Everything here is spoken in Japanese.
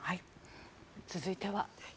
続いては。